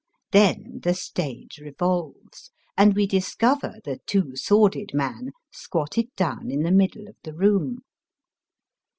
Then the stage revolves, and we discover the Two S worded Man squatted down in the middle of the room.